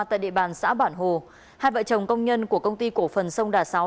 tại địa bàn xã bản hồ hai vợ chồng công nhân của công ty cổ phần sông đà sáu